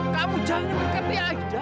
kamu jangan mengerti aida